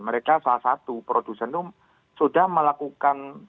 mereka salah satu produsen itu sudah melakukan